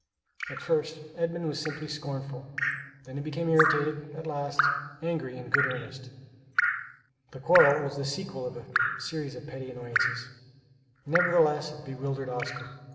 At first, Edmund was simply scornful; then he became irritated at last, angry in good earnest. The quarrel was the sequel of a series of petty annoyances. Nevertheless it bewildered Oscar.